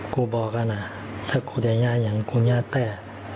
กูบอกแล้วนะถ้ากูยาอย่างกูยาแต้